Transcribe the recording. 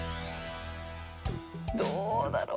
どうだろう。